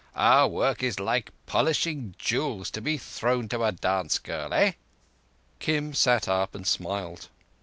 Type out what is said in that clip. Our work is like polishing jewels to be thrown to a dance girl—eh?" Kim sat up and smiled.